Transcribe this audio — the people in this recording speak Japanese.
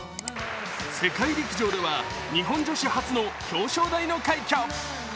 世界陸上では日本女子初の表彰台の快挙。